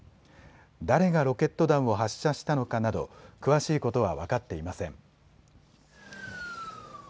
誰がロケット弾を発射したのかなど詳しいことは分かっていません。